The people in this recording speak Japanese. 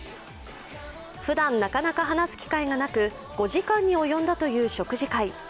ふだん、なかなか話す機会がなく、５時間に及んだという食事会。